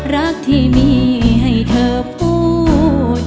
รักที่มีให้เธอพูด